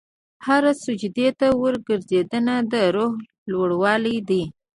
هره سجدې ته ورکوځېدنه، د روح لوړوالی دی.